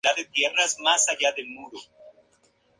Estilo empleado para anuncios y programas de sumo.